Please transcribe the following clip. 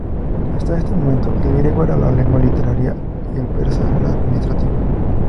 Hasta este momento el griego era la lengua literaria y el persa la administrativa.